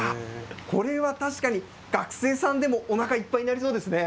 これは確かに、学生さんでもおなかいっぱいになりそうですね。